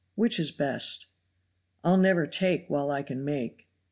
Which is best?" "I'll never take while I can make."